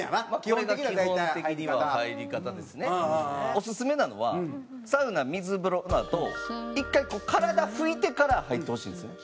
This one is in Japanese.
オススメなのはサウナ水風呂のあと１回体拭いてから入ってほしいんですね。